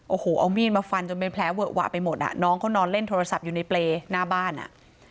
โอ้โหเอามีดมาฟันจนเป็นแผลเวอะหวะไปหมดอ่ะน้องเขานอนเล่นโทรศัพท์อยู่ในเปรย์หน้าบ้านอ่ะ